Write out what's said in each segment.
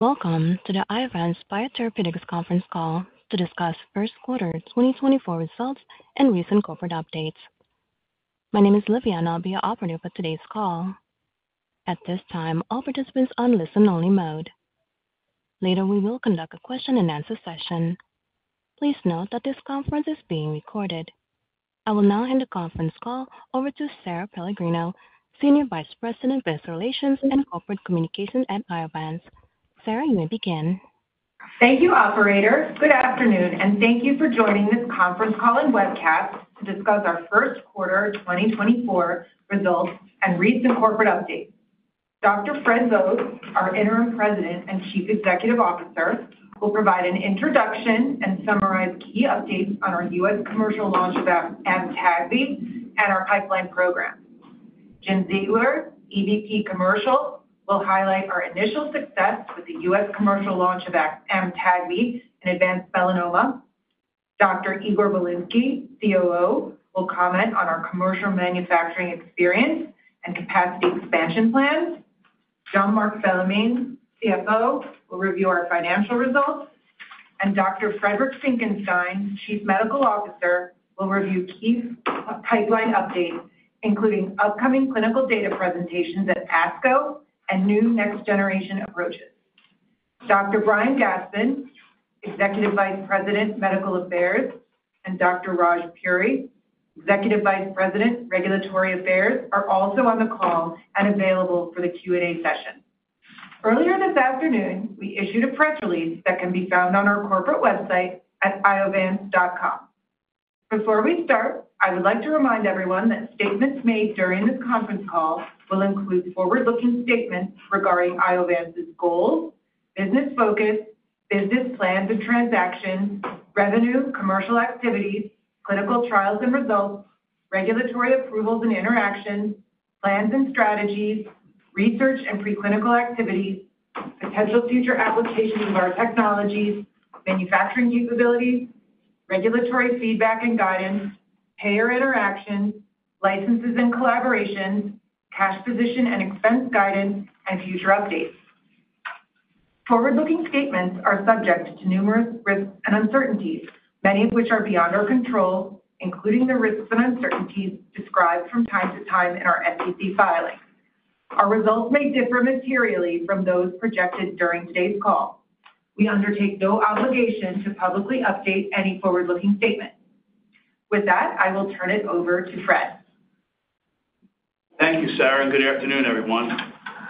Welcome to the Iovance Biotherapeutics conference call to discuss first quarter 2024 results and recent corporate updates. My name is Livia, and I'll be the operator for today's call. At this time, all participants are in listen-only mode. Later, we will conduct a question-and-answer session. Please note that this conference is being recorded. I will now hand the conference call over to Sara Pellegrino, Senior Vice President of Investor Relations and Corporate Communications at Iovance. Sara, you may begin. Thank you, operator. Good afternoon, and thank you for joining this conference call and webcast to discuss our first quarter 2024 results and recent corporate updates. Dr. Frederick Vogt, our Interim President and Chief Executive Officer, will provide an introduction and summarize key updates on our U.S. commercial launch of AMTAGVI and our pipeline program. Jim Ziegler, EVP, Commercial, will highlight our initial success with the U.S. commercial launch of AMTAGVI and advanced melanoma. Dr. Igor Bilinsky, COO, will comment on our commercial manufacturing experience and capacity expansion plans. Jean-Marc Bellemin, CFO, will review our financial results. And Dr. Friedrich Finckenstein, Chief Medical Officer, will review key pipeline updates, including upcoming clinical data presentations at ASCO and new next-generation approaches. Dr. Brian Gastman, Executive Vice President, Medical Affairs, and Dr. Raj Puri, Executive Vice President, Regulatory Affairs, are also on the call and available for the Q&A session. Earlier this afternoon, we issued a press release that can be found on our corporate website at iovance.com. Before we start, I would like to remind everyone that statements made during this conference call will include forward-looking statements regarding Iovance's goals, business focus, business plans and transactions, revenue, commercial activities, clinical trials and results, regulatory approvals and interactions, plans and strategies, research and preclinical activities, potential future applications of our technologies, manufacturing capabilities, regulatory feedback and guidance, payer interactions, licenses and collaborations, cash position and expense guidance, and future updates. Forward-looking statements are subject to numerous risks and uncertainties, many of which are beyond our control, including the risks and uncertainties described from time to time in our SEC filings. Our results may differ materially from those projected during today's call. We undertake no obligation to publicly update any forward-looking statement. With that, I will turn it over to Fred. Thank you, Sara, and good afternoon, everyone.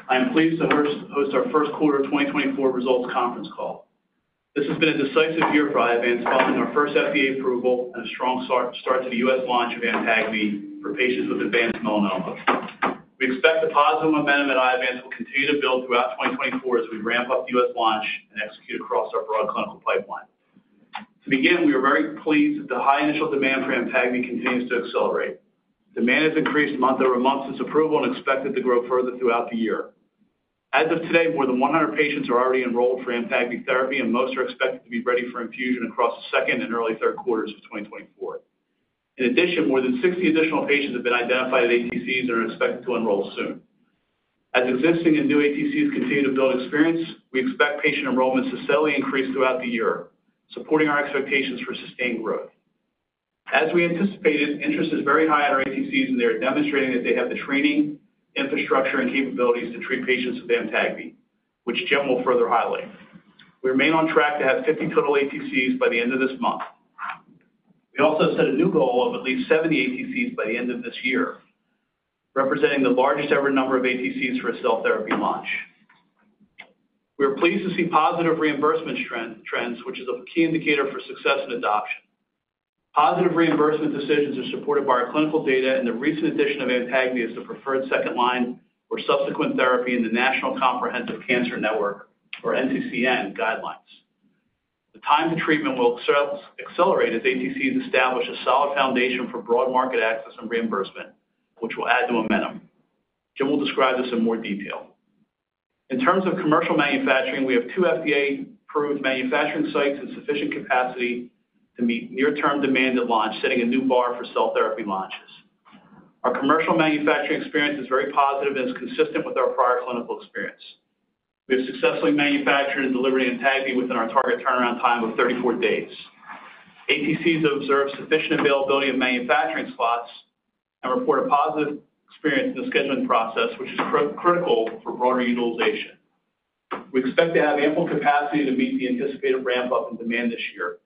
I am pleased to host our first quarter 2024 results conference call. This has been a decisive year for Iovance, following our first FDA approval and a strong start to the U.S. launch of AMTAGVI for patients with advanced melanoma. We expect the positive momentum at Iovance will continue to build throughout 2024 as we ramp up the U.S. launch and execute across our broad clinical pipeline. To begin, we are very pleased that the high initial demand for AMTAGVI continues to accelerate. Demand has increased month-over-month since approval and is expected to grow further throughout the year. As of today, more than 100 patients are already enrolled for AMTAGVI therapy, and most are expected to be ready for infusion across the second and early third quarters of 2024. In addition, more than 60 additional patients have been identified at ATCs and are expected to enroll soon. As existing and new ATCs continue to build experience, we expect patient enrollment to steadily increase throughout the year, supporting our expectations for sustained growth. As we anticipated, interest is very high at our ATCs, and they are demonstrating that they have the training, infrastructure, and capabilities to treat patients with AMTAGVI, which Jim will further highlight. We remain on track to have 50 total ATCs by the end of this month. We also set a new goal of at least 70 ATCs by the end of this year, representing the largest ever number of ATCs for a cell therapy launch. We are pleased to see positive reimbursement trends, which is a key indicator for success in adoption. Positive reimbursement decisions are supported by our clinical data, and the recent addition of AMTAGVI as the preferred second line or subsequent therapy in the National Comprehensive Cancer Network, or NCCN, guidelines. The time to treatment will accelerate as ATCs establish a solid foundation for broad market access and reimbursement, which will add to momentum. Jim will describe this in more detail. In terms of commercial manufacturing, we have two FDA-approved manufacturing sites and sufficient capacity to meet near-term demand at launch, setting a new bar for cell therapy launches. Our commercial manufacturing experience is very positive and is consistent with our prior clinical experience. We have successfully manufactured and delivered AMTAGVI within our target turnaround time of 34 days. ATCs have observed sufficient availability of manufacturing slots and report a positive experience in the scheduling process, which is critical for broader utilization. We expect to have ample capacity to meet the anticipated ramp-up in demand this year.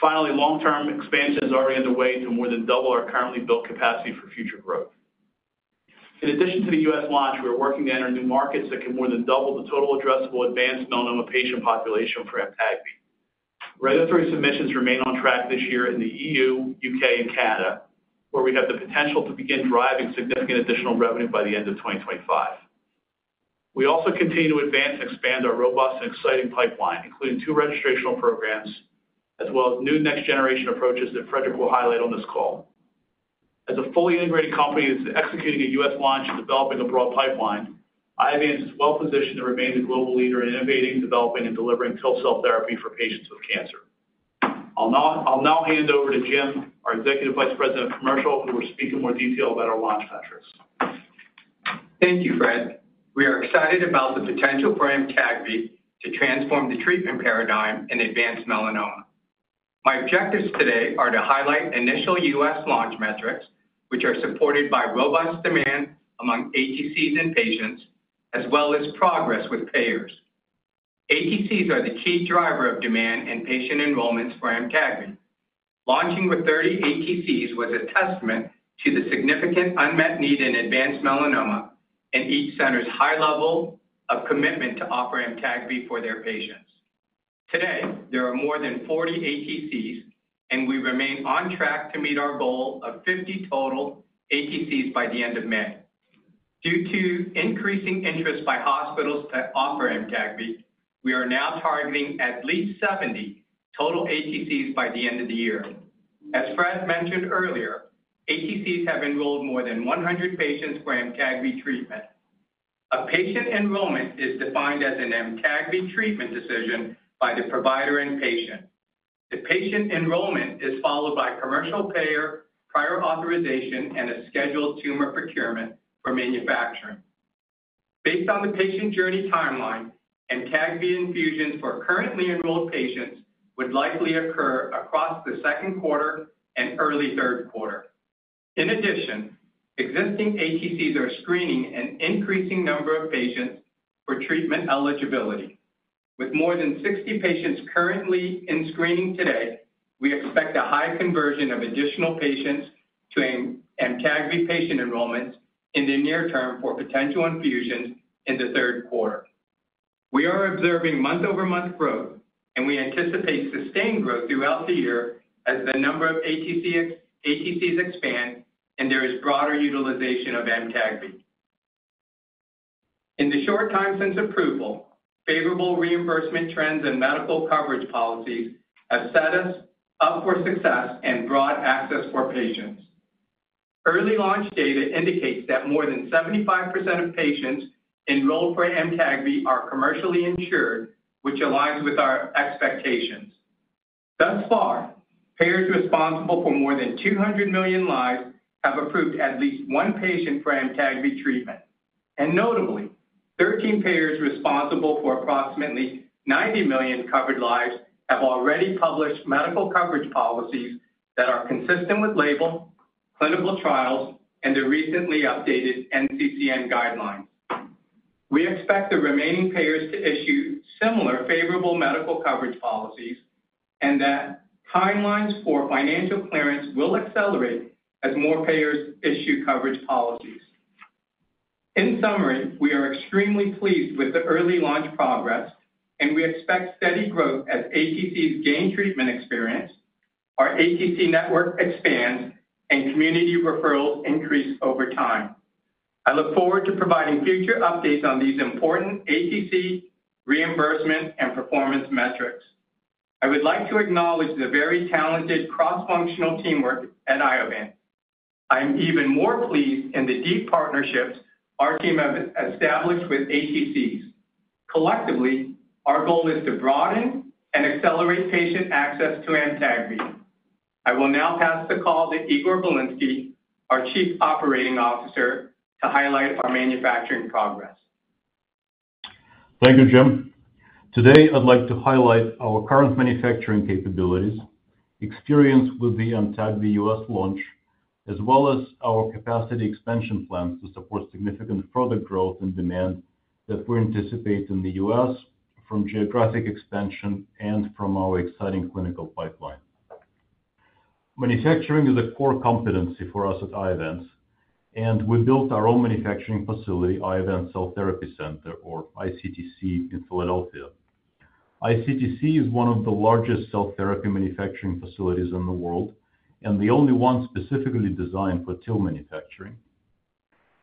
Finally, long-term expansion is already underway to more than double our currently built capacity for future growth. In addition to the U.S. launch, we are working to enter new markets that can more than double the total addressable advanced melanoma patient population for AMTAGVI. Regulatory submissions remain on track this year in the E.U., U.K., and Canada, where we have the potential to begin driving significant additional revenue by the end of 2025. We also continue to advance and expand our robust and exciting pipeline, including two registrational programs as well as new next-generation approaches that Frederick will highlight on this call. As a fully integrated company that's executing a U.S. launch and developing a broad pipeline, Iovance is well positioned to remain the global leader in innovating, developing, and delivering TIL cell therapy for patients with cancer. I'll now hand over to Jim, our Executive Vice President of Commercial, who will speak in more detail about our launch metrics. Thank you, Fred. We are excited about the potential for AMTAGVI to transform the treatment paradigm in advanced melanoma. My objectives today are to highlight initial U.S. launch metrics, which are supported by robust demand among ATCs and patients, as well as progress with payers. ATCs are the key driver of demand and patient enrollments for AMTAGVI. Launching with 30 ATCs was a testament to the significant unmet need in advanced melanoma and each center's high level of commitment to offer AMTAGVI for their patients. Today, there are more than 40 ATCs, and we remain on track to meet our goal of 50 total ATCs by the end of May. Due to increasing interest by hospitals to offer AMTAGVI, we are now targeting at least 70 total ATCs by the end of the year. As Fred mentioned earlier, ATCs have enrolled more than 100 patients for AMTAGVI treatment. A patient enrollment is defined as an AMTAGVI treatment decision by the provider and patient. The patient enrollment is followed by commercial payer prior authorization and a scheduled tumor procurement for manufacturing. Based on the patient journey timeline, AMTAGVI infusions for currently enrolled patients would likely occur across the second quarter and early third quarter. In addition, existing ATCs are screening an increasing number of patients for treatment eligibility. With more than 60 patients currently in screening today, we expect a high conversion of additional patients to AMTAGVI patient enrollments in the near term for potential infusions in the third quarter. We are observing month-over-month growth, and we anticipate sustained growth throughout the year as the number of ATCs expands and there is broader utilization of AMTAGVI. In the short time since approval, favorable reimbursement trends and medical coverage policies have set us up for success and broad access for patients. Early launch data indicates that more than 75% of patients enrolled for AMTAGVI are commercially insured, which aligns with our expectations. Thus far, payers responsible for more than 200 million lives have approved at least one patient for AMTAGVI treatment. And notably, 13 payers responsible for approximately 90 million covered lives have already published medical coverage policies that are consistent with label, clinical trials, and the recently updated NCCN guidelines. We expect the remaining payers to issue similar favorable medical coverage policies and that timelines for financial clearance will accelerate as more payers issue coverage policies. In summary, we are extremely pleased with the early launch progress, and we expect steady growth as ATCs gain treatment experience, our ATC network expands, and community referrals increase over time. I look forward to providing future updates on these important ATC reimbursement and performance metrics. I would like to acknowledge the very talented cross-functional teamwork at Iovance. I am even more pleased in the deep partnerships our team has established with ATCs. Collectively, our goal is to broaden and accelerate patient access to AMTAGVI. I will now pass the call to Igor Bilinsky, our Chief Operating Officer, to highlight our manufacturing progress. Thank you, Jim. Today, I'd like to highlight our current manufacturing capabilities, experience with the AMTAGVI U.S. launch, as well as our capacity expansion plans to support significant further growth and demand that we anticipate in the U.S. from geographic expansion and from our exciting clinical pipeline. Manufacturing is a core competency for us at Iovance, and we built our own manufacturing facility, Iovance Cell Therapy Center, or iCTC, in Philadelphia. iCTC is one of the largest cell therapy manufacturing facilities in the world and the only one specifically designed for TIL manufacturing.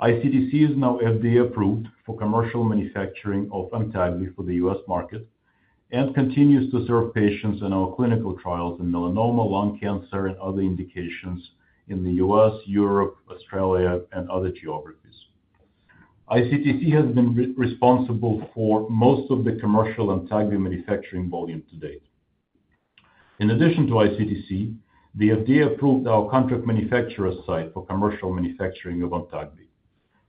iCTC is now FDA-approved for commercial manufacturing of AMTAGVI for the U.S. market and continues to serve patients in our clinical trials in melanoma, lung cancer, and other indications in the U.S., Europe, Australia, and other geographies. iCTC has been responsible for most of the commercial AMTAGVI manufacturing volume to date. In addition to iCTC, the FDA approved our contract manufacturer site for commercial manufacturing of AMTAGVI.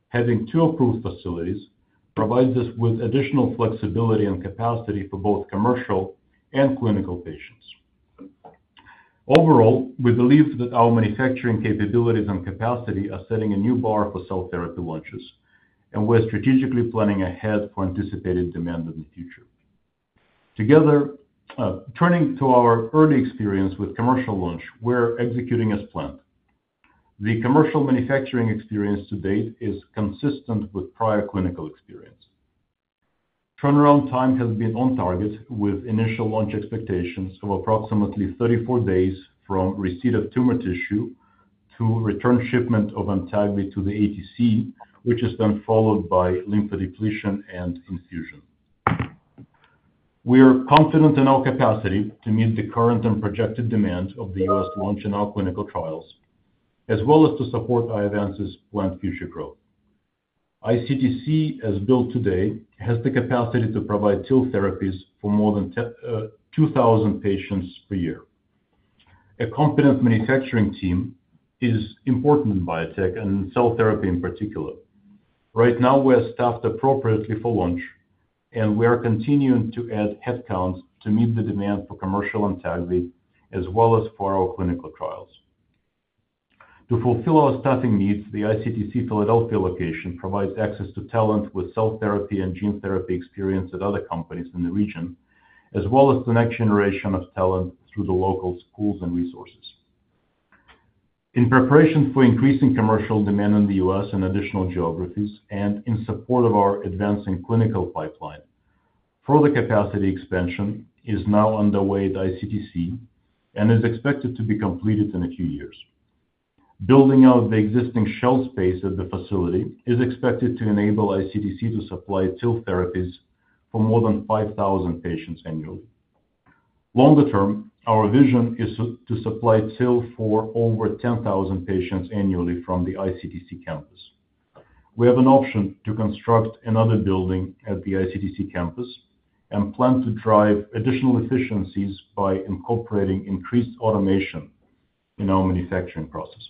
Having two approved facilities provides us with additional flexibility and capacity for both commercial and clinical patients. Overall, we believe that our manufacturing capabilities and capacity are setting a new bar for cell therapy launches, and we're strategically planning ahead for anticipated demand in the future. Turning to our early experience with commercial launch, we're executing as planned. The commercial manufacturing experience to date is consistent with prior clinical experience. Turnaround time has been on target, with initial launch expectations of approximately 34 days from receipt of tumor tissue to return shipment of AMTAGVI to the ATC, which is then followed by lymphodepletion and infusion. We are confident in our capacity to meet the current and projected demand of the U.S. launch in our clinical trials, as well as to support Iovance's planned future growth. iCTC, as built today, has the capacity to provide TIL therapies for more than 2,000 patients per year. A competent manufacturing team is important in biotech and cell therapy in particular. Right now, we are staffed appropriately for launch, and we are continuing to add headcounts to meet the demand for commercial AMTAGVI as well as for our clinical trials. To fulfill our staffing needs, the iCTC Philadelphia location provides access to talent with cell therapy and gene therapy experience at other companies in the region, as well as the next generation of talent through the local schools and resources. In preparation for increasing commercial demand in the U.S. and additional geographies, and in support of our advancing clinical pipeline, further capacity expansion is now underway at iCTC and is expected to be completed in a few years. Building out the existing shell space at the facility is expected to enable iCTC to supply TIL therapies for more than 5,000 patients annually. Longer term, our vision is to supply TIL for over 10,000 patients annually from the iCTC campus. We have an option to construct another building at the iCTC campus and plan to drive additional efficiencies by incorporating increased automation in our manufacturing process.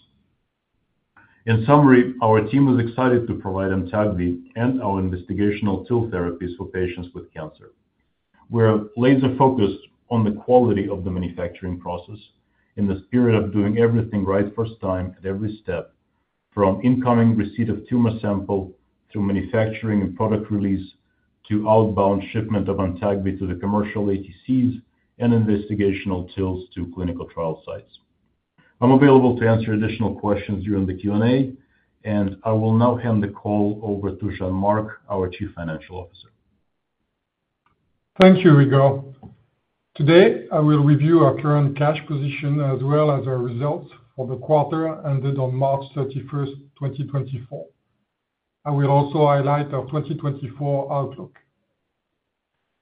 In summary, our team is excited to provide AMTAGVI and our investigational TIL therapies for patients with cancer. We are laser-focused on the quality of the manufacturing process in the spirit of doing everything right first time at every step, from incoming receipt of tumor sample through manufacturing and product release to outbound shipment of AMTAGVI to the commercial ATCs and investigational TILs to clinical trial sites. I'm available to answer additional questions during the Q&A, and I will now hand the call over to Jean-Marc, our Chief Financial Officer. Thank you, Igor. Today, I will review our current cash position as well as our results for the quarter ended on March 31st, 2024. I will also highlight our 2024 outlook.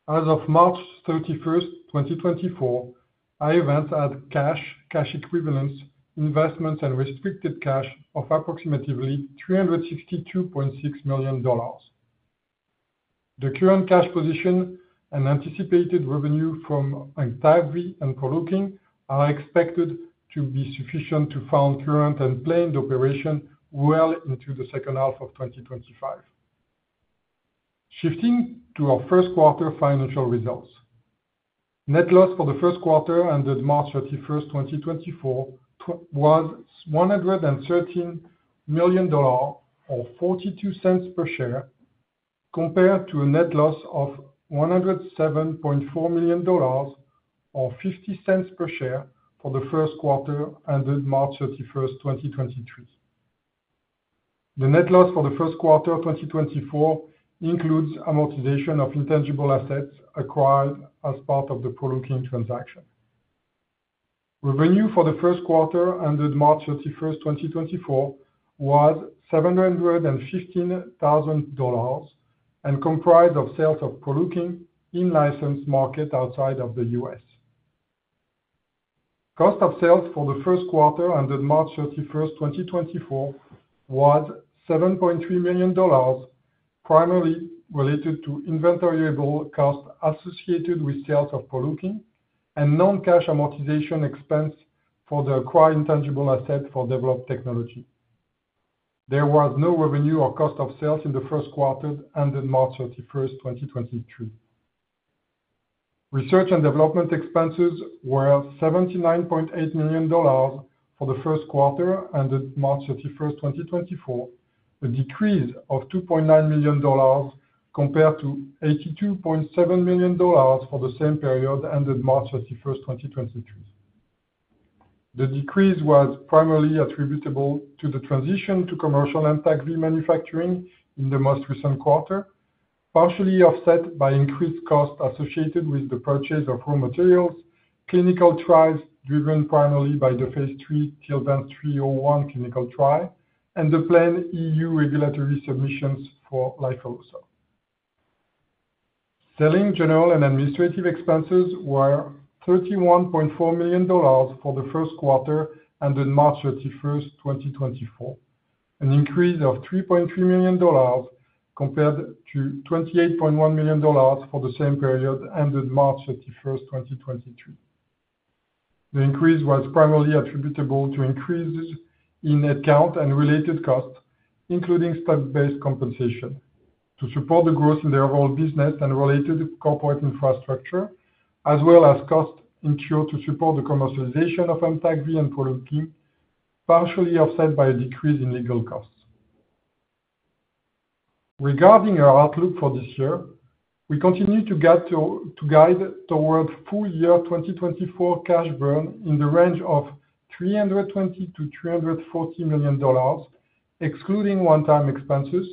As of March 31st, 2024, Iovance had cash, cash equivalents, investments, and restricted cash of approximately $362.6 million. The current cash position and anticipated revenue from AMTAGVI and Proleukin are expected to be sufficient to fund current and planned operations well into the second half of 2025. Shifting to our first quarter financial results. Net loss for the first quarter ended March 31st, 2024, was $113.42 per share compared to a net loss of $107.4 million or $0.50 per share for the first quarter ended March 31st, 2023. The net loss for the first quarter 2024 includes amortization of intangible assets acquired as part of the Proleukin transaction. Revenue for the first quarter ended March 31st, 2024, was $715,000 and comprised of sales of Proleukin in licensed markets outside of the U.S. Cost of sales for the first quarter ended March 31st, 2024, was $7.3 million, primarily related to inventoryable costs associated with sales of Proleukin and non-cash amortization expense for the acquired intangible assets for developed technology. There was no revenue or cost of sales in the first quarter ended March 31st, 2023. Research and development expenses were $79.8 million for the first quarter ended March 31st, 2024, a decrease of $2.9 million compared to $82.7 million for the same period ended March 31st, 2023. The decrease was primarily attributable to the transition to commercial AMTAGVI manufacturing in the most recent quarter, partially offset by increased costs associated with the purchase of raw materials, clinical trials driven primarily by the phase III TILVANCE-301 clinical trial, and the planned EU regulatory submissions for Lifileucel. Selling, general, and administrative expenses were $31.4 million for the first quarter ended March 31st, 2024, an increase of $3.3 million compared to $28.1 million for the same period ended March 31st, 2023. The increase was primarily attributable to increases in headcount and related costs, including staff-based compensation, to support the growth in the overall business and related corporate infrastructure, as well as costs incurred to support the commercialization of AMTAGVI and Proleukin, partially offset by a decrease in legal costs. Regarding our outlook for this year, we continue to guide toward full-year 2024 cash burn in the range of $320-$340 million, excluding one-time expenses,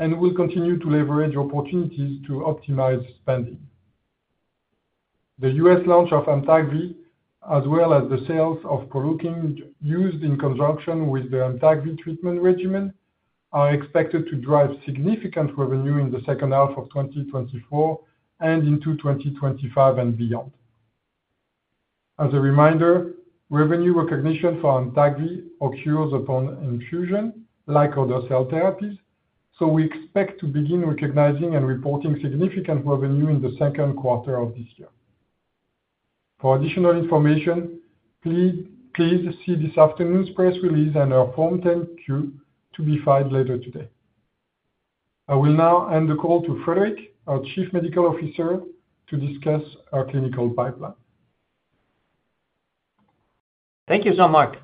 and will continue to leverage opportunities to optimize spending. The U.S. launch of AMTAGVI, as well as the sales of Proleukin used in conjunction with the AMTAGVI treatment regimen, are expected to drive significant revenue in the second half of 2024 and into 2025 and beyond. As a reminder, revenue recognition for AMTAGVI occurs upon infusion, like other cell therapies, so we expect to begin recognizing and reporting significant revenue in the second quarter of this year. For additional information, please see this afternoon's press release and our Form 10-Q to be filed later today. I will now hand the call to Friedrich, our Chief Medical Officer, to discuss our clinical pipeline. Thank you so much.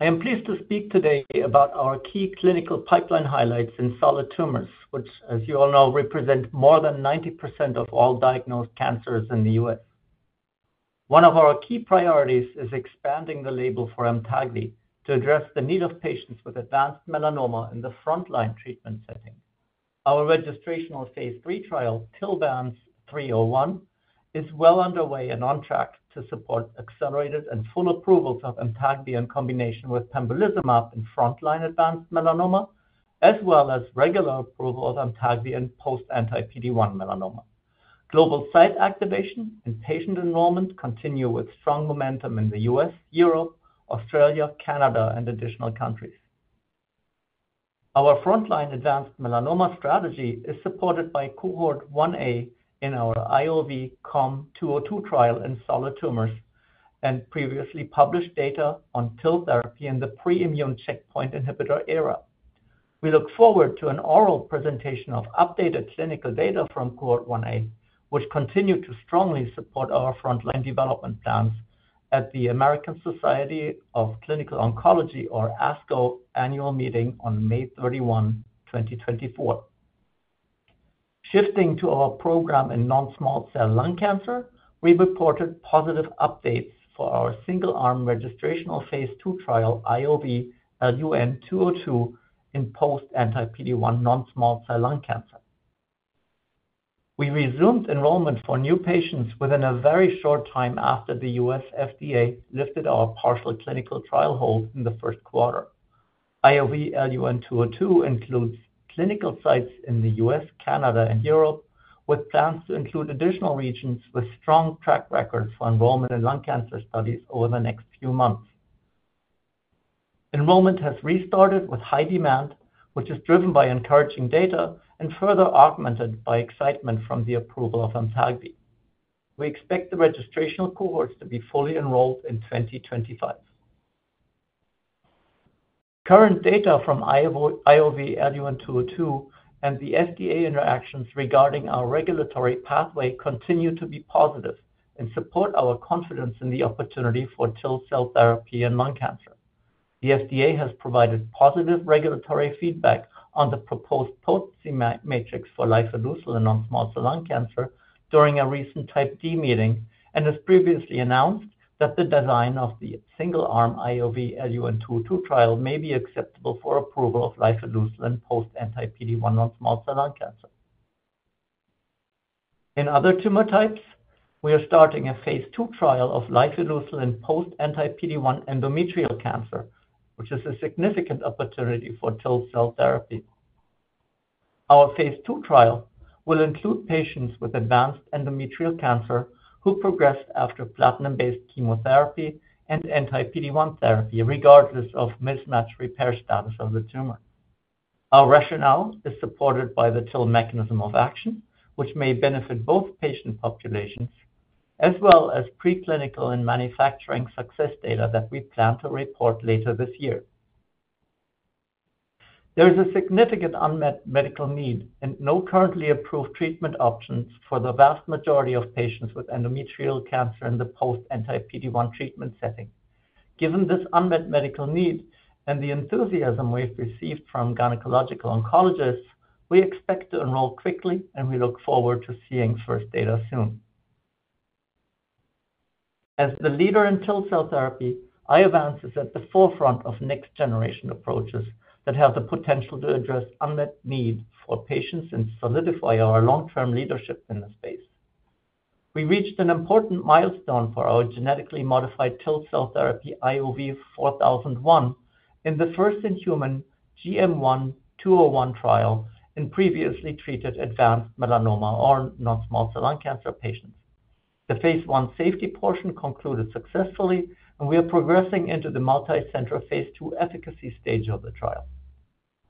I am pleased to speak today about our key clinical pipeline highlights in solid tumors, which, as you all know, represent more than 90% of all diagnosed cancers in the U.S. One of our key priorities is expanding the label for AMTAGVI to address the need of patients with advanced melanoma in the frontline treatment setting. Our registrational phase III trial, TILVANCE-301, is well underway and on track to support accelerated and full approvals of AMTAGVI in combination with pembrolizumab in frontline advanced melanoma, as well as regular approval of AMTAGVI in post-anti-PD-1 melanoma. Global site activation and patient enrollment continue with strong momentum in the U.S., Europe, Australia, Canada, and additional countries. Our frontline advanced melanoma strategy is supported by Cohort 1A in our IOV-COM202 trial in solid tumors and previously published data on TIL therapy in the pre-immune checkpoint inhibitor era. We look forward to an oral presentation of updated clinical data from Cohort 1A, which continue to strongly support our frontline development plans at the American Society of Clinical Oncology, or ASCO, annual meeting on May 31, 2024. Shifting to our program in non-small cell lung cancer, we reported positive updates for our single-arm registrational phase II trial, IOV-LUN202, in post-anti-PD-1 non-small cell lung cancer. We resumed enrollment for new patients within a very short time after the U.S. FDA lifted our partial clinical trial hold in the first quarter. IOV-LUN202 includes clinical sites in the U.S., Canada, and Europe, with plans to include additional regions with strong track records for enrollment in lung cancer studies over the next few months. Enrollment has restarted with high demand, which is driven by encouraging data and further augmented by excitement from the approval of AMTAGVI. We expect the registration of cohorts to be fully enrolled in 2025. Current data from IOV-LUN202 and the FDA interactions regarding our regulatory pathway continue to be positive and support our confidence in the opportunity for TIL cell therapy in lung cancer. The FDA has provided positive regulatory feedback on the proposed POTCI matrix for Lifileucel and non-small cell lung cancer during a recent Type D meeting and has previously announced that the design of the single-arm IOV-LUN202 trial may be acceptable for approval of Lifileucel and post-anti-PD-1 non-small cell lung cancer. In other tumor types, we are starting a phase II trial of Lifileucel and post-anti-PD-1 endometrial cancer, which is a significant opportunity for TIL cell therapy. Our phase II trial will include patients with advanced endometrial cancer who progressed after platinum-based chemotherapy and anti-PD-1 therapy, regardless of mismatch repair status of the tumor. Our rationale is supported by the TIL mechanism of action, which may benefit both patient populations, as well as preclinical and manufacturing success data that we plan to report later this year. There is a significant unmet medical need and no currently approved treatment options for the vast majority of patients with endometrial cancer in the post-anti-PD-1 treatment setting. Given this unmet medical need and the enthusiasm we've received from gynecological oncologists, we expect to enroll quickly, and we look forward to seeing first data soon. As the leader in TIL cell therapy, Iovance is at the forefront of next-generation approaches that have the potential to address unmet need for patients and solidify our long-term leadership in the space. We reached an important milestone for our genetically modified TIL cell therapy, IOV-4001, in the first-in-human GM1201 trial in previously treated advanced melanoma or non-small cell lung cancer patients. The phase I safety portion concluded successfully, and we are progressing into the multicenter phase II efficacy stage of the trial.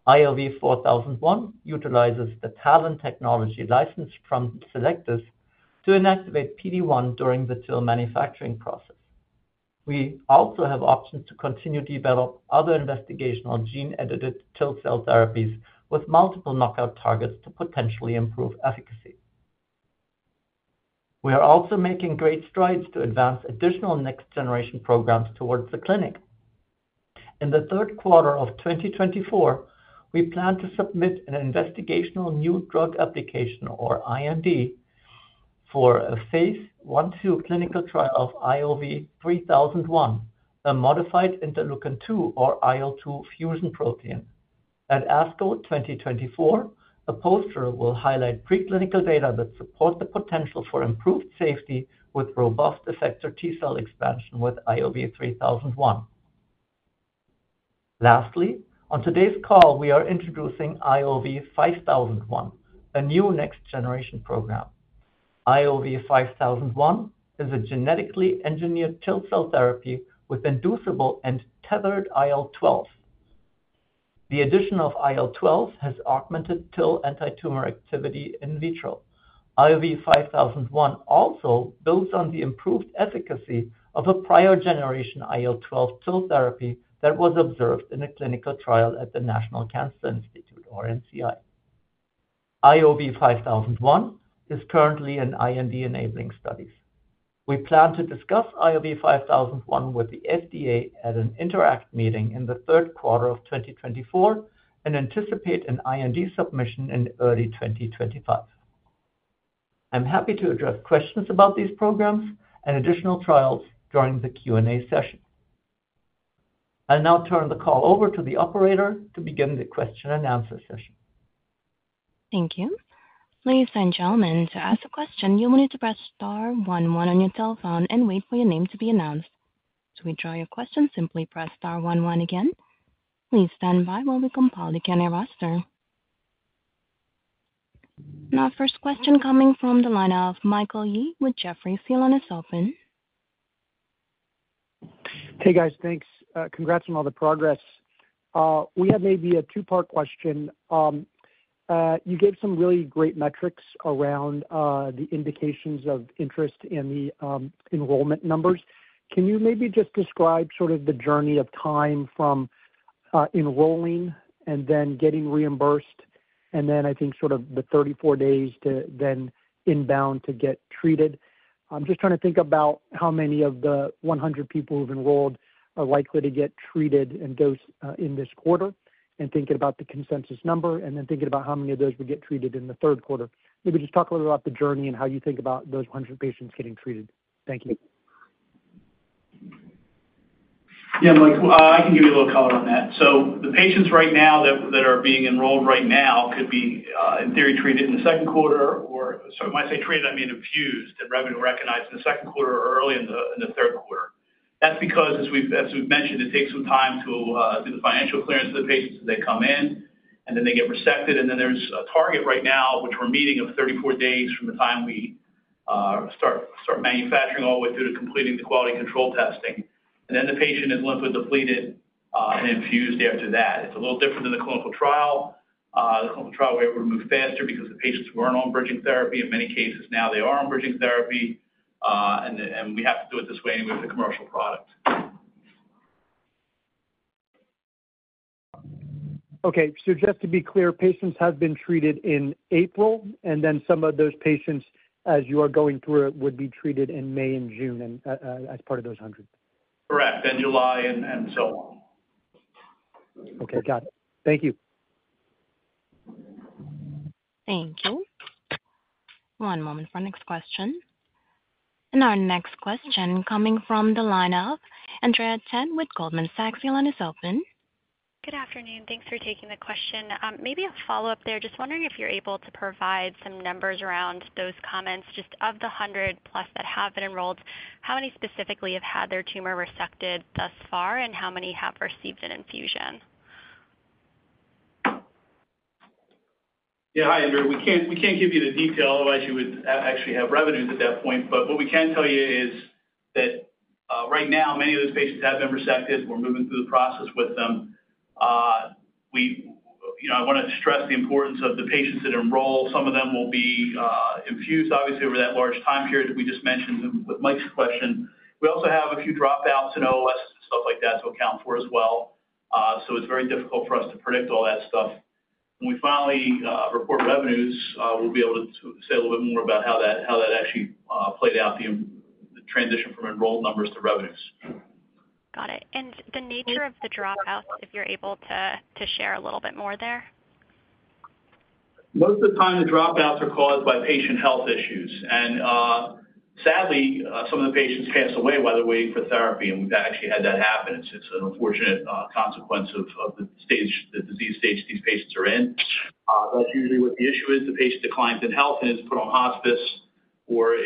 IOV-4001 utilizes the TALEN technology license from Cellectis to inactivate PD-1 during the TIL manufacturing process. We also have options to continue to develop other investigational gene-edited TIL cell therapies with multiple knockout targets to potentially improve efficacy. We are also making great strides to advance additional next-generation programs towards the clinic. In the third quarter of 2024, we plan to submit an investigational new drug application, or IND, for a phase I to II clinical trial of IOV-3001, a modified interleukin-2, or IL-2 fusion protein. At ASCO 2024, a poster will highlight preclinical data that support the potential for improved safety with robust effector T cell expansion with IOV-3001. Lastly, on today's call, we are introducing IOV-5001, a new next-generation program. IOV-5001 is a genetically engineered TIL cell therapy with inducible and tethered IL-12s. The addition of IL-12s has augmented TIL anti-tumor activity in vitro. IOV-5001 also builds on the improved efficacy of a prior generation IL-12 TIL therapy that was observed in a clinical trial at the National Cancer Institute, or NCI. IOV-5001 is currently in IND-enabling studies. We plan to discuss IOV-5001 with the FDA at an INTERACT meeting in the third quarter of 2024 and anticipate an IND submission in early 2025. I'm happy to address questions about these programs and additional trials during the Q&A session. I'll now turn the call over to the operator to begin the question-and-answer session. Thank you. Ladies and gentlemen, to ask a question, you'll need to press star one one on your cell phone and wait for your name to be announced. If you'd like to withdraw your question? Simply press star one one again. Please stand by while we compile the Q&A roster. Now, first question coming from the lineup: Michael Yee with Jefferies. The line is open. Hey, guys. Thanks. Congrats on all the progress. We have maybe a two-part question. You gave some really great metrics around the indications of interest and the enrollment numbers. Can you maybe just describe sort of the journey of time from enrolling and then getting reimbursed, and then I think sort of the 34 days to then inbound to get treated? I'm just trying to think about how many of the 100 people who've enrolled are likely to get treated and dosed in this quarter, and thinking about the consensus number, and then thinking about how many of those would get treated in the third quarter. Maybe just talk a little bit about the journey and how you think about those 100 patients getting treated. Thank you. Yeah, Mike, I can give you a little color on that. So the patients right now that are being enrolled right now could be, in theory, treated in the second quarter or sorry, when I say treated, I mean infused and revenue recognized in the second quarter or early in the third quarter. That's because, as we've mentioned, it takes some time to do the financial clearance of the patients as they come in, and then they get resected. And then there's a target right now, which we're meeting, of 34 days from the time we start manufacturing all the way through to completing the quality control testing. And then the patient is lymphodepleted and infused after that. It's a little different than the clinical trial. The clinical trial, we were able to move faster because the patients weren't on bridging therapy. In many cases, now they are on bridging therapy, and we have to do it this way anyway with a commercial product. Okay. Just to be clear, patients have been treated in April, and then some of those patients, as you are going through it, would be treated in May and June as part of those 100? Correct. And July and so on. Okay. Got it. Thank you. Thank you. One moment for our next question. Our next question coming from the lineup: Andrea Tan with Goldman Sachs. The line is open. Good afternoon. Thanks for taking the question. Maybe a follow-up there. Just wondering if you're able to provide some numbers around those comments just of the 100+ that have been enrolled. How many specifically have had their tumor resected thus far, and how many have received an infusion? Yeah, hi, Andrea. We can't give you the detail. Otherwise, you would actually have revenues at that point. But what we can tell you is that right now, many of those patients have been resected. We're moving through the process with them. I want to stress the importance of the patients that enroll. Some of them will be infused, obviously, over that large time period that we just mentioned with Mike's question. We also have a few dropouts in OOS and stuff like that to account for as well. So it's very difficult for us to predict all that stuff. When we finally report revenues, we'll be able to say a little bit more about how that actually played out, the transition from enrolled numbers to revenues. Got it. The nature of the dropouts, if you're able to share a little bit more there? Most of the time, the dropouts are caused by patient health issues. And sadly, some of the patients pass away while they're waiting for therapy, and we've actually had that happen. It's an unfortunate consequence of the disease stage these patients are in. That's usually what the issue is. The patient declines in health and is put on hospice or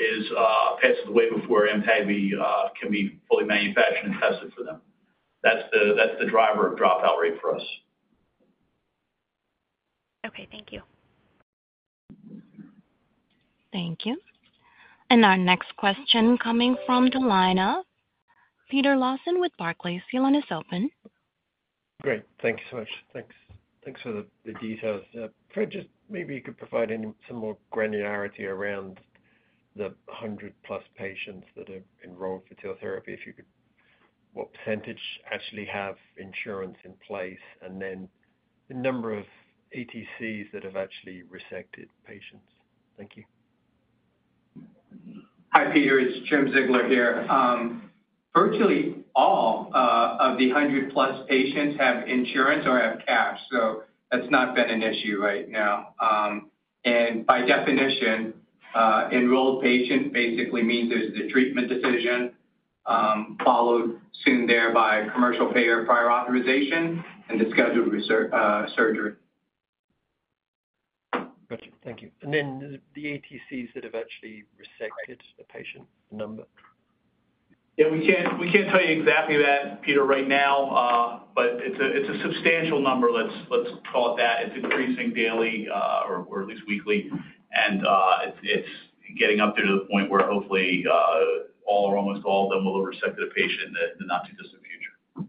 passes away before AMTAGVI can be fully manufactured and tested for them. That's the driver of dropout rate for us. Okay. Thank you. Thank you. And our next question coming from the lineup: Peter Lawson with Barclays, the line is open. Great. Thank you so much. Thanks for the details. Fred, just maybe you could provide some more granularity around the 100+ patients that are enrolled for TIL therapy, if you could, what percentage actually have insurance in place, and then the number of ATCs that have actually resected patients. Thank you. Hi, Peter. It's Jim Ziegler here. Virtually all of the 100+ patients have insurance or have cash, so that's not been an issue right now. And by definition, enrolled patient basically means there's the treatment decision followed soon there by commercial payer prior authorization and the scheduled surgery. Gotcha. Thank you. And then the ATCs that have actually resected the patient, the number? Yeah, we can't tell you exactly that, Peter, right now, but it's a substantial number, let's call it that. It's increasing daily or at least weekly, and it's getting up there to the point where, hopefully, almost all of them will have resected a patient in the not-too-distant future.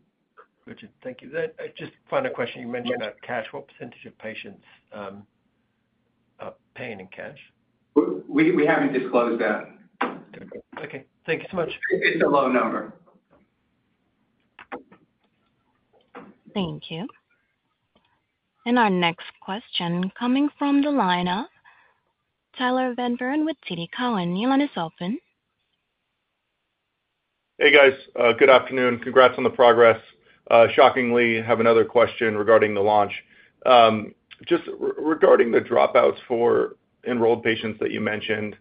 Gotcha. Thank you. Just final question. You mentioned about cash. What percentage of patients are paying in cash? We haven't disclosed that. Okay. Thank you so much. It's a low number. Thank you. Our next question coming from the lineup: Tyler Van Buren with TD Cowen. The line is open. Hey, guys. Good afternoon. Congrats on the progress. Shockingly, I have another question regarding the launch. Just regarding the dropouts for enrolled patients that you mentioned,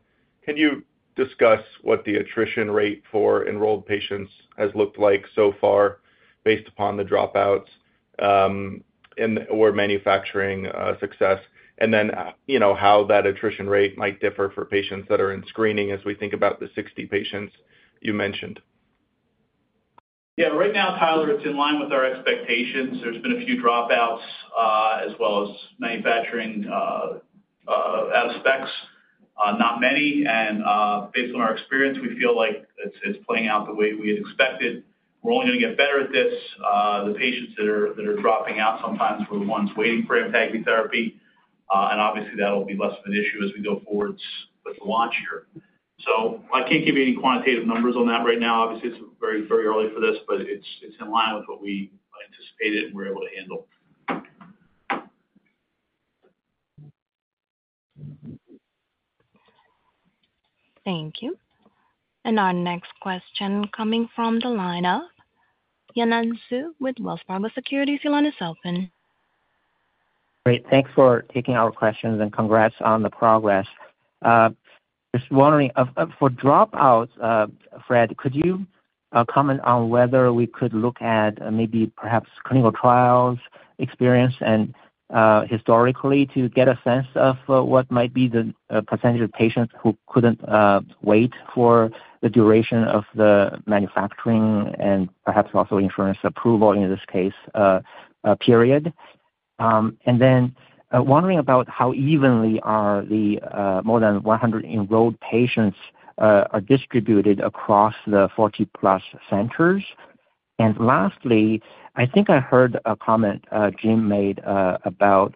can you discuss what the attrition rate for enrolled patients has looked like so far based upon the dropouts or manufacturing success, and then how that attrition rate might differ for patients that are in screening as we think about the 60 patients you mentioned? Yeah. Right now, Tyler, it's in line with our expectations. There's been a few dropouts as well as manufacturing out-of-specs, not many. Based on our experience, we feel like it's playing out the way we had expected. We're only going to get better at this. The patients that are dropping out sometimes were the ones waiting for AMTAGVI therapy, and obviously, that'll be less of an issue as we go forward with the launch year. I can't give you any quantitative numbers on that right now. Obviously, it's very, very early for this, but it's in line with what we anticipated and were able to handle. Thank you. And our next question coming from the line up: Yanan Zhu with Wells Fargo Securities. The line is open. Great. Thanks for taking our questions and congrats on the progress. Just wondering, for dropouts, Fred, could you comment on whether we could look at maybe perhaps clinical trials experience and historically to get a sense of what might be the percentage of patients who couldn't wait for the duration of the manufacturing and perhaps also insurance approval, in this case, period? And then wondering about how evenly are the more than 100 enrolled patients distributed across the 40+ centers? And lastly, I think I heard a comment Jim made about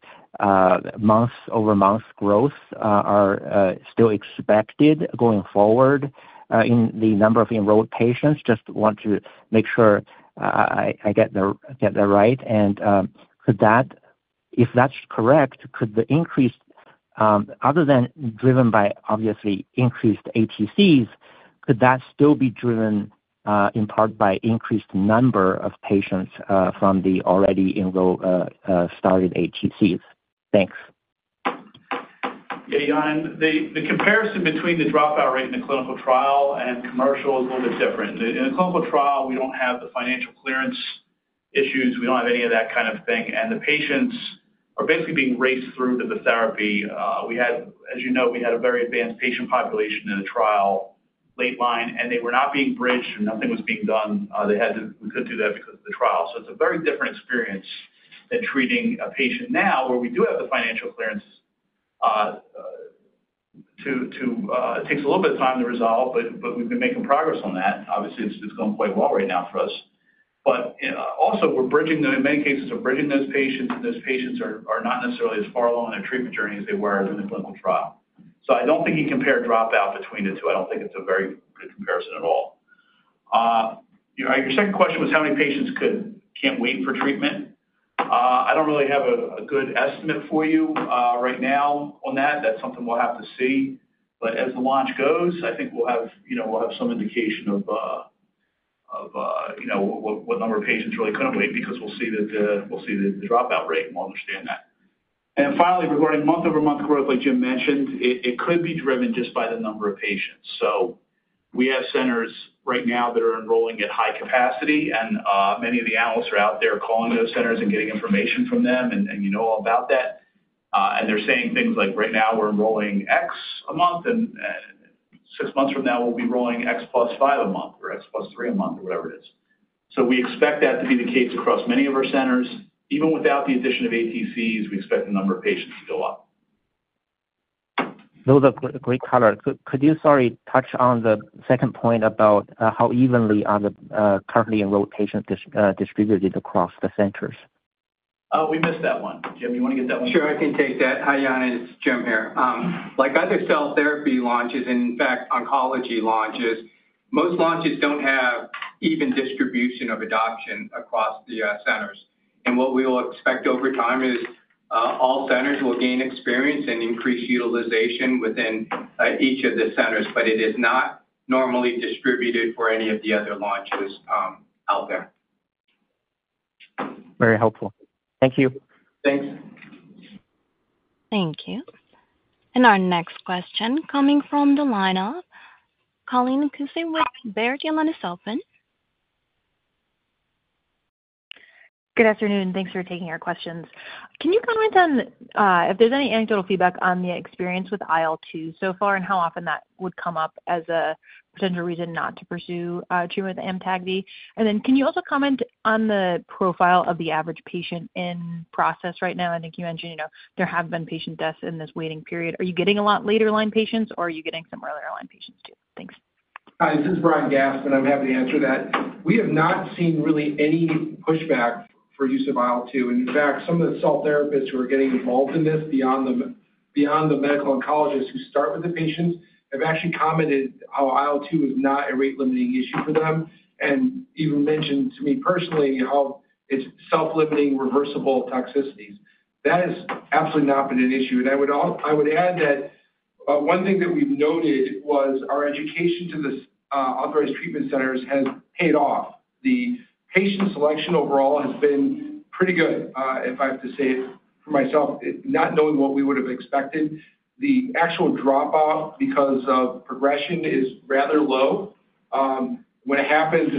month-over-month growth are still expected going forward in the number of enrolled patients. Just want to make sure I get that right. And if that's correct, could the increase other than driven by, obviously, increased ATCs, could that still be driven in part by increased number of patients from the already started ATCs? Thanks. Yeah, Yan. The comparison between the dropout rate in the clinical trial and commercial is a little bit different. In the clinical trial, we don't have the financial clearance issues. We don't have any of that kind of thing. And the patients are basically being raced through to the therapy. As you know, we had a very advanced patient population in the trial late line, and they were not being bridged and nothing was being done. We couldn't do that because of the trial. So it's a very different experience than treating a patient now where we do have the financial clearance. It takes a little bit of time to resolve, but we've been making progress on that. Obviously, it's going quite well right now for us. But also, in many cases, we're bridging those patients, and those patients are not necessarily as far along in their treatment journey as they were during the clinical trial. So I don't think you can compare dropout between the two. I don't think it's a very good comparison at all. Your second question was how many patients can't wait for treatment. I don't really have a good estimate for you right now on that. That's something we'll have to see. But as the launch goes, I think we'll have some indication of what number of patients really couldn't wait because we'll see the dropout rate, and we'll understand that. And finally, regarding month-over-month growth, like Jim mentioned, it could be driven just by the number of patients. So we have centers right now that are enrolling at high capacity, and many of the analysts are out there calling those centers and getting information from them, and you know all about that. And they're saying things like, "Right now, we're enrolling X a month, and six months from now, we'll be enrolling X+5 a month or X+3 a month," or whatever it is. So we expect that to be the case across many of our centers. Even without the addition of ATCs, we expect the number of patients to go up. That was a great color. Could you, sorry, touch on the second point about how evenly are the currently enrolled patients distributed across the centers? We missed that one. Jim, do you want to get that one? Sure. I can take that. Hi, Yan. It's Jim here. Like other cell therapy launches and, in fact, oncology launches, most launches don't have even distribution of adoption across the centers. What we will expect over time is all centers will gain experience and increase utilization within each of the centers, but it is not normally distributed for any of the other launches out there. Very helpful. Thank you. Thanks. Thank you. Our next question coming from the lineup: Colleen Kusy with Baird line is open. Good afternoon. Thanks for taking our questions. Can you comment on if there's any anecdotal feedback on the experience with IL-2 so far and how often that would come up as a potential reason not to pursue treatment with AMTAGVI? And then can you also comment on the profile of the average patient in process right now? I think you mentioned there have been patient deaths in this waiting period. Are you getting a lot later-line patients, or are you getting some earlier-line patients too? Thanks. Hi. This is Brian Gastman, and I'm happy to answer that. We have not seen really any pushback for use of IL-2. And in fact, some of the cell therapists who are getting involved in this, beyond the medical oncologists who start with the patients, have actually commented how IL-2 is not a rate-limiting issue for them and even mentioned to me personally how it's self-limiting reversible toxicities. That has absolutely not been an issue. And I would add that one thing that we've noted was our education to the authorized treatment centers has paid off. The patient selection overall has been pretty good, if I have to say it for myself, not knowing what we would have expected. The actual dropout because of progression is rather low. When it happens,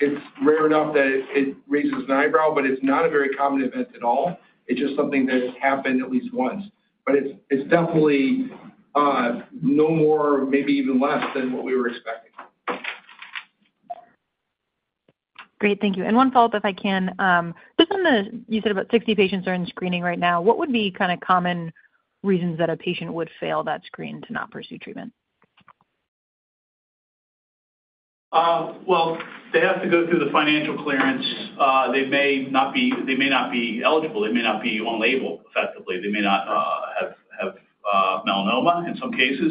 it's rare enough that it raises an eyebrow, but it's not a very common event at all. It's just something that has happened at least once. But it's definitely no more, maybe even less, than what we were expecting. Great. Thank you. And one follow-up, if I can. Just on what you said about 60 patients are in screening right now. What would be kind of common reasons that a patient would fail that screen to not pursue treatment? Well, they have to go through the financial clearance. They may not be eligible. They may not be on label, effectively. They may not have melanoma in some cases.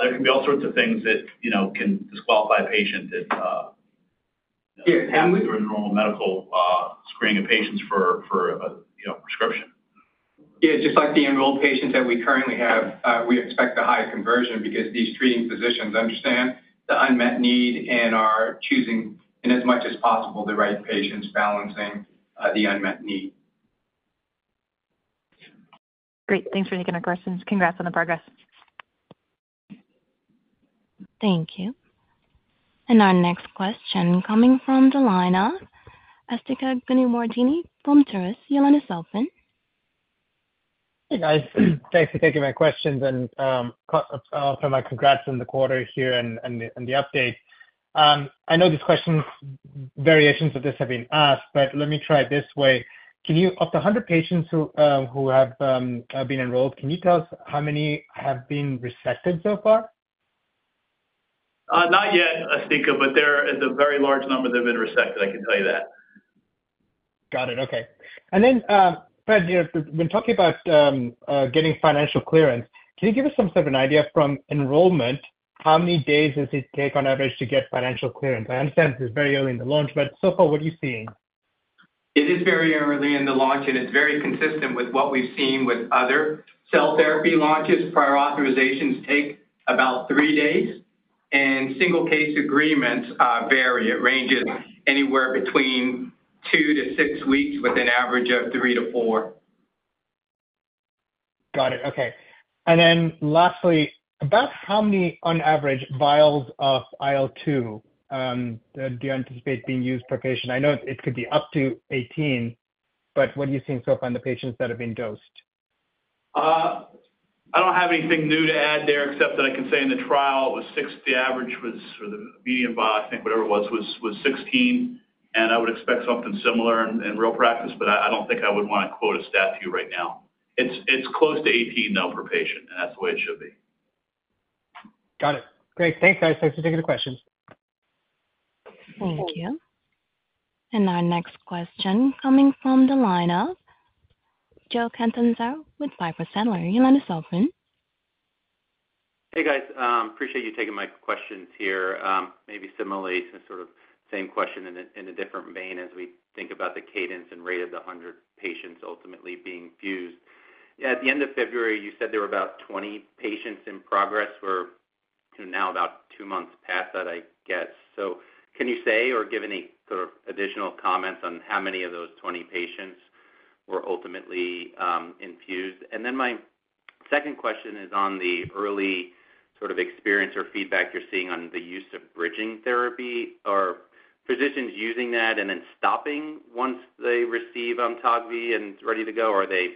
There can be all sorts of things that can disqualify a patient. Yeah. After a normal medical screening of patients for a prescription. Yeah. Just like the enrolled patients that we currently have, we expect a high conversion because these treating physicians understand the unmet need and are choosing, in as much as possible, the right patients, balancing the unmet need. Great. Thanks for taking our questions. Congrats on the progress. Thank you. Our next question coming from the line of Asthika Goonewardene from Truist. Your line is open. Hey, guys. Thanks for taking my questions, and I'll offer my congrats in the quarter here and the update. I know these questions, variations of this, have been asked, but let me try it this way. Of the 100 patients who have been enrolled, can you tell us how many have been resected so far? Not yet, Estika, but there is a very large number that have been resected. I can tell you that. Got it. Okay. And then, Fred, when talking about getting financial clearance, can you give us some sort of an idea from enrollment, how many days does it take on average to get financial clearance? I understand this is very early in the launch, but so far, what are you seeing? It is very early in the launch, and it's very consistent with what we've seen with other cell therapy launches. Prior authorizations take about 3 days, and single-case agreements vary. It ranges anywhere between 2-6 weeks with an average of 3-4. Got it. Okay. And then lastly, about how many, on average, vials of IL-2 do you anticipate being used per patient? I know it could be up to 18, but what are you seeing so far in the patients that have been dosed? I don't have anything new to add there except that I can say in the trial, it was 6. The average was for the medium vial, I think, whatever it was, was 16. And I would expect something similar in real practice, but I don't think I would want to quote a stat to you right now. It's close to 18, though, per patient, and that's the way it should be. Got it. Great. Thanks, guys. Thanks for taking the questions. Thank you. And our next question coming from the lineup: Joe Catanzaro with Piper Sandler. The line is open. Hey, guys. Appreciate you taking my questions here. Maybe similarly, sort of same question in a different vein as we think about the cadence and rate of the 100 patients ultimately being infused. Yeah, at the end of February, you said there were about 20 patients in progress. We're now about 2 months past that, I guess. So can you say or give any sort of additional comments on how many of those 20 patients were ultimately infused? And then my second question is on the early sort of experience or feedback you're seeing on the use of bridging therapy or physicians using that and then stopping once they receive Amtagvi and it's ready to go. Are they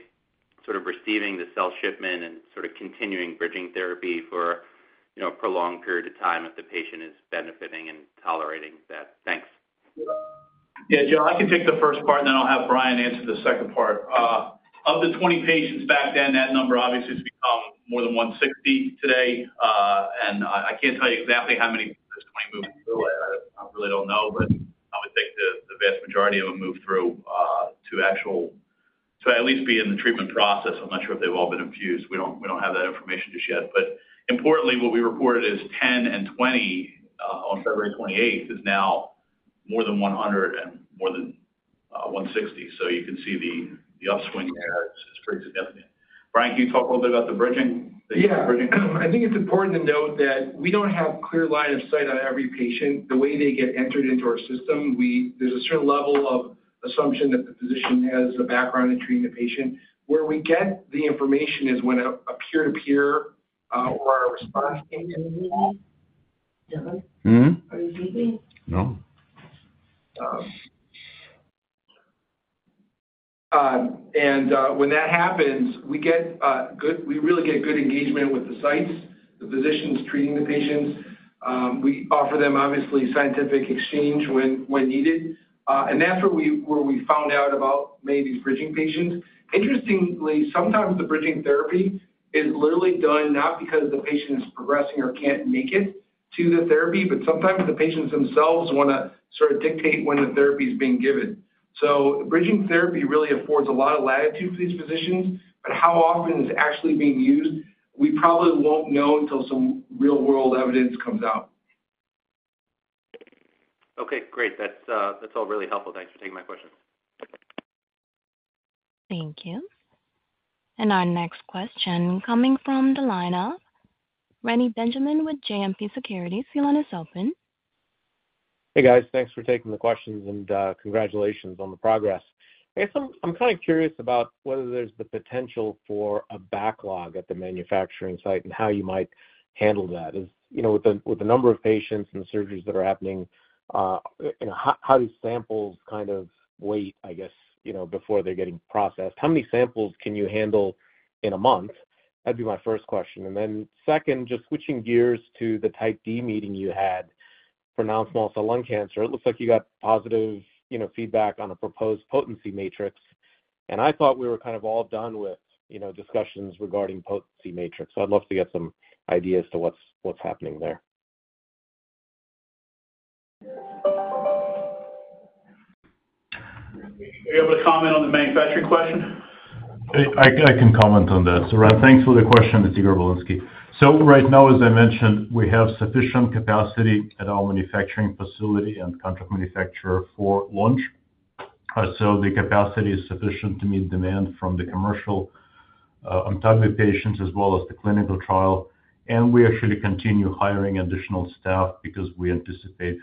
sort of receiving the cell shipment and sort of continuing bridging therapy for a prolonged period of time if the patient is benefiting and tolerating that? Thanks. Yeah, Joe, I can take the first part, and then I'll have Brian answer the second part. Of the 20 patients back then, that number, obviously, has become more than 160 today. And I can't tell you exactly how many of those 20 moved through. I really don't know, but I would think the vast majority of them moved through to actually at least be in the treatment process. I'm not sure if they've all been infused. We don't have that information just yet. But importantly, what we reported as 10 and 20 on February 28th is now more than 100 and more than 160. So you can see the upswing there is pretty significant. Brian, can you talk a little bit about the bridging? Yeah. I think it's important to note that we don't have clear line of sight on every patient. The way they get entered into our system, there's a certain level of assumption that the physician has a background in treating the patient. Where we get the information is when a peer-to-peer or a response came in. Jim? Are you speaking? No. And when that happens, we really get good engagement with the sites, the physicians treating the patients. We offer them, obviously, scientific exchange when needed. And that's where we found out about many of these bridging patients. Interestingly, sometimes the bridging therapy is literally done not because the patient is progressing or can't make it to the therapy, but sometimes the patients themselves want to sort of dictate when the therapy is being given. So bridging therapy really affords a lot of latitude for these physicians. But how often it's actually being used, we probably won't know until some real-world evidence comes out. Okay. Great. That's all really helpful. Thanks for taking my questions. Thank you. Our next question coming from the lineup: Reni Benjamin with JMP Securities. The line is open. Hey, guys. Thanks for taking the questions, and congratulations on the progress. I guess I'm kind of curious about whether there's the potential for a backlog at the manufacturing site and how you might handle that. With the number of patients and the surgeries that are happening, how do samples kind of wait, I guess, before they're getting processed? How many samples can you handle in a month? That'd be my first question. And then second, just switching gears to the type D meeting you had for non-small cell lung cancer, it looks like you got positive feedback on a proposed potency matrix. And I thought we were kind of all done with discussions regarding potency matrix. So I'd love to get some ideas to what's happening there. Are you able to comment on the manufacturing question? I can comment on that. So Brian, thanks for the question, Igor Bilinsky. So right now, as I mentioned, we have sufficient capacity at our manufacturing facility and contract manufacturer for launch. So the capacity is sufficient to meet demand from the commercial Amtagvi patients as well as the clinical trial. And we actually continue hiring additional staff because we anticipate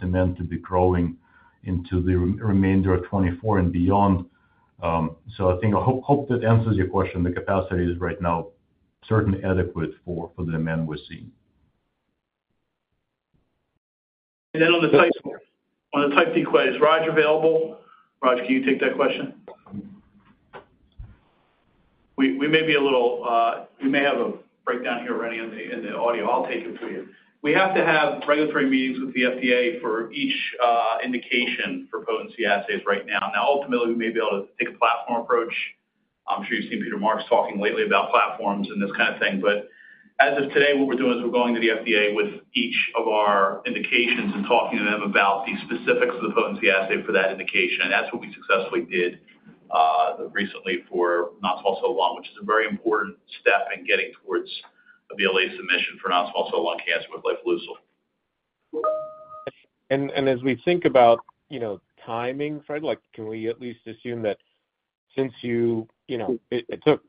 demand to be growing into the remainder of 2024 and beyond. So I hope that answers your question. The capacity is right now certainly adequate for the demand we're seeing. On the Type D meetings, Raj, are you available? Raj, can you take that question? We may be a little. We may have a breakdown here, Rennie, in the audio. I'll take it for you. We have to have regulatory meetings with the FDA for each indication for potency assays right now. Now, ultimately, we may be able to take a platform approach. I'm sure you've seen Peter Marks talking lately about platforms and this kind of thing. But as of today, what we're doing is we're going to the FDA with each of our indications and talking to them about the specifics of the potency assay for that indication. And that's what we successfully did recently for non-small cell lung, which is a very important step in getting towards a BLA submission for non-small cell lung cancer with Lifileucel. As we think about timing, Fred, can we at least assume that since it took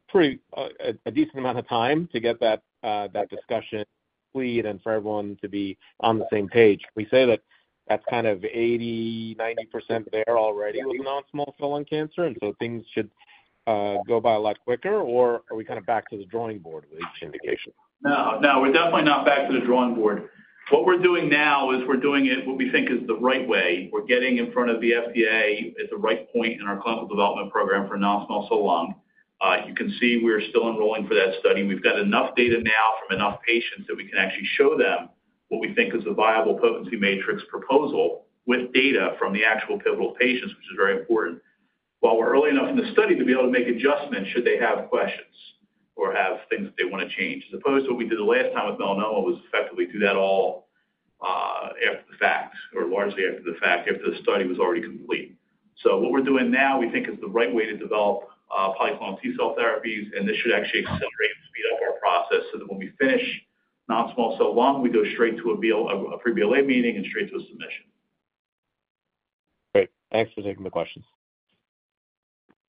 a decent amount of time to get that discussion complete and for everyone to be on the same page, can we say that that's kind of 80%-90% there already with non-small cell lung cancer, and so things should go by a lot quicker, or are we kind of back to the drawing board with each indication? No. No. We're definitely not back to the drawing board. What we're doing now is we're doing it what we think is the right way. We're getting in front of the FDA at the right point in our clinical development program for non-small cell lung. You can see we're still enrolling for that study. We've got enough data now from enough patients that we can actually show them what we think is a viable potency matrix proposal with data from the actual pivotal patients, which is very important. While we're early enough in the study to be able to make adjustments should they have questions or have things that they want to change, as opposed to what we did the last time with melanoma was effectively do that all after the fact or largely after the fact after the study was already complete. So what we're doing now, we think, is the right way to develop polyclonal T-cell therapies, and this should actually accelerate and speed up our process so that when we finish non-small cell lung, we go straight to a pre-BLA meeting and straight to a submission. Great. Thanks for taking the questions.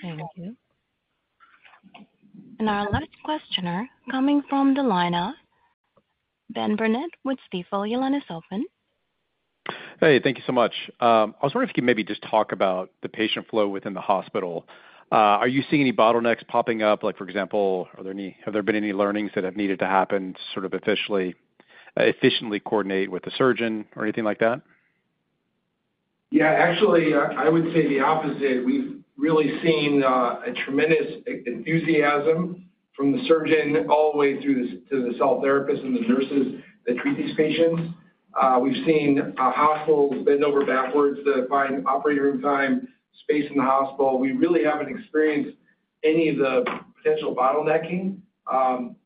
Thank you. And our last questioner coming from the lineup: Ben Burnett with Stifel, your line is open. Hey. Thank you so much. I was wondering if you could maybe just talk about the patient flow within the hospital. Are you seeing any bottlenecks popping up? For example, have there been any learnings that have needed to happen to sort of efficiently coordinate with the surgeon or anything like that? Yeah. Actually, I would say the opposite. We've really seen a tremendous enthusiasm from the surgeon all the way through to the cell therapists and the nurses that treat these patients. We've seen hospitals bend over backwards to find operating room time, space in the hospital. We really haven't experienced any of the potential bottlenecking,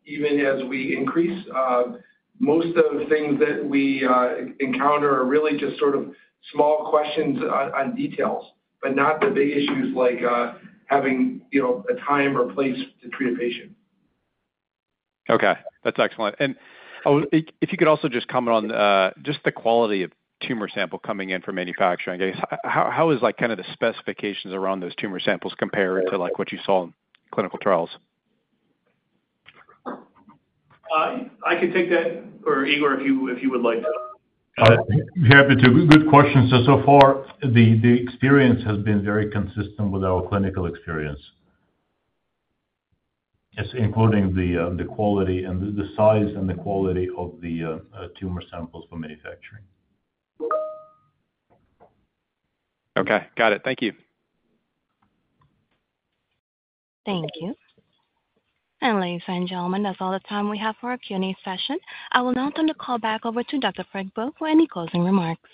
even as we increase. Most of the things that we encounter are really just sort of small questions on details, but not the big issues like having a time or place to treat a patient. Okay. That's excellent. If you could also just comment on just the quality of tumor sample coming in from manufacturing, I guess, how is kind of the specifications around those tumor samples compared to what you saw in clinical trials? I can take that, or Igor, if you would like to. I'm happy to. Good questions. So far, the experience has been very consistent with our clinical experience, including the quality and the size and the quality of the tumor samples for manufacturing. Okay. Got it. Thank you. Thank you. Ladies and gentlemen, that's all the time we have for our Q&A session. I will now turn the call back over to Dr. Fred Vogt for any closing remarks.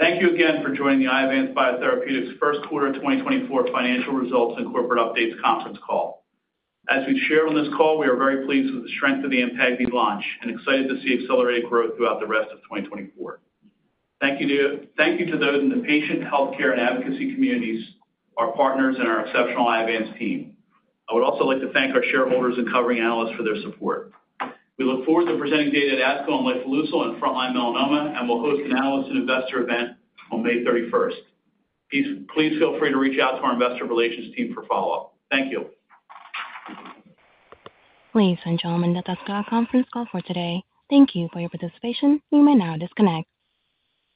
Thank you again for joining the Iovance Biotherapeutics first quarter 2024 financial results and corporate updates conference call. As we've shared on this call, we are very pleased with the strength of the AMTAGVI launch and excited to see accelerated growth throughout the rest of 2024. Thank you to those in the patient, healthcare, and advocacy communities, our partners, and our exceptional Iovance team. I would also like to thank our shareholders and covering analysts for their support. We look forward to presenting data at ASCO on Lifileucel and frontline melanoma, and we'll host an analyst and investor event on May 31st. Please feel free to reach out to our investor relations team for follow-up. Thank you. Ladies and gentlemen, that's our conference call for today. Thank you for your participation. You may now disconnect.